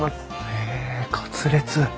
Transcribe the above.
へえカツレツ。